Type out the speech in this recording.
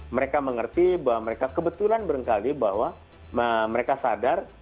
mereka mengerti bahwa mereka kebetulan berengkali bahwa mereka sadar